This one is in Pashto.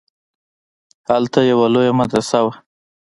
هلته يوه لويه مدرسه وه.